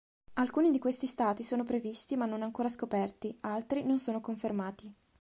Alcuni di questi stati sono previsti ma non ancora scoperti; altri non sono confermati.